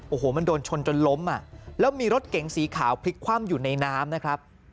โอ้โหมันโดนชนจนล้มอ่ะแล้วมีรถเก๋งสีขาวพลิกคว่ำอยู่ในน้ำนะครับ